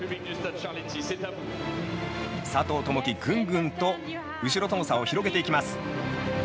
佐藤友祈、ぐんぐんと後ろとの差を広げていきます。